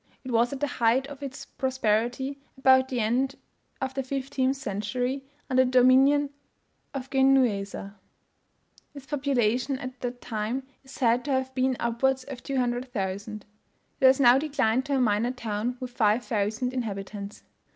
It was at the height of its prosperity about the end of the fifteenth century, under the dominion of Genueser. Its population at that time is said to have been upwards of 200,000. It has now declined to a minor town, with 5,000 inhabitants.